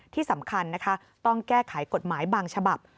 ที่สำคัญนะคะต้องแก้ไขกฎหมายบางฉบับ